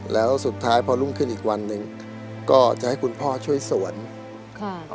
แล้วสุดท้ายพอรุ่งขึ้นอีกวันหนึ่งก็จะให้คุณพ่อช่วยสวนค่ะ